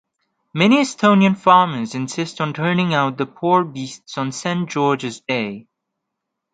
Many Estonian farmers insist on turning out the poor beasts on St. George's Day.